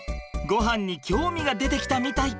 ごはんに興味が出てきたみたい。